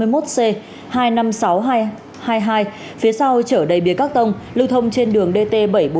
phía sau chở đầy bia cắt tông lưu thông trên đường dt bảy trăm bốn mươi một